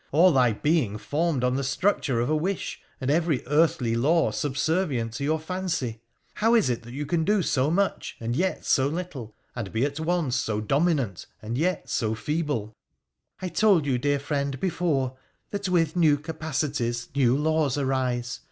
All thy being formed on the etructure of a wish, and every earthly law subservient to your PIIRA THE P1ICENIC1AN 223 fancy, how is it you can do so much and yet so little, and be at once so dominant and yet so feeble ?'' I told you, dear friend, before, that with new capacities new laws arise.